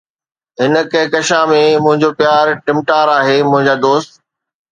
هن ڪهڪشان ۾ منهنجو پيار ٽمٽار آهي، منهنجا دوست